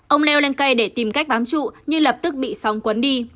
ông leo lên cây để tìm cách bám trụ nhưng lập tức bị sóng cuốn đi